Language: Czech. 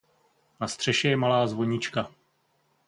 Na střeše je malá zvonička.